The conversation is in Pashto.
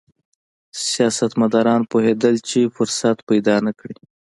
سیاستمداران پوهېدل چې فرصت پیدا نه کړي.